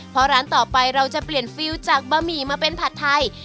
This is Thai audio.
เพราะร้านต่อไปเราจะเปลี่ยนฟิลจากบะหมี่มาเป็นผัดไทย